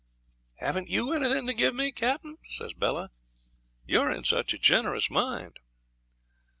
'Haven't you anything to give me, Captain?' says Bella; 'you're in such a generous mind.'